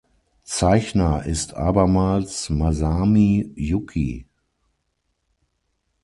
Zeichner ist abermals Masami Yuki.